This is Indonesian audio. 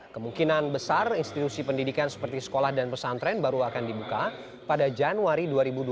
kemungkinan besar institusi pendidikan seperti sekolah dan pesantren baru akan dibuka pada januari dua ribu dua puluh